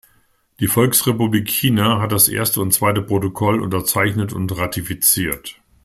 Die Volksrepublik China hat das erste und zweite Protokoll unterzeichnet und ratifiziert.